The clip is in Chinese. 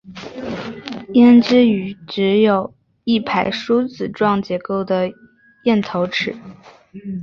胭脂鱼只有一排梳子状结构的咽头齿。